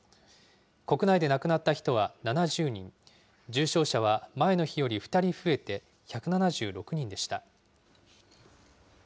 国内で亡くなった人は７０人、重症者は前の日より２人増えて１７６人でした。